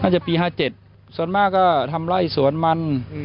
จะปี๕๗ส่วนมากก็ทำไล่สวนมัน